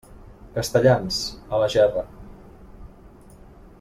Castellans, a la gerra.